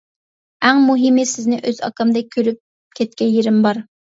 ئەڭ مۇھىمى سىزنى ئۆز ئاكامدەك كۆرۈپ كەتكەن يېرىم بار.